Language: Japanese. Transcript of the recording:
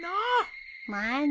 まあね。